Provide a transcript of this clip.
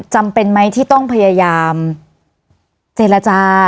จำเป็นไหมที่ต้องพยายามเจรจา